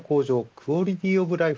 クオリティーオブライフ